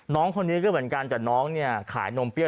น้องคนนี้ก็เหมือนกันแต่น้องเนี่ยขายนมเปรี้ย